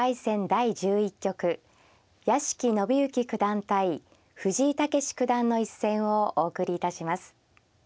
第１１局屋敷伸之九段対藤井猛九段の一戦をお送りいたします。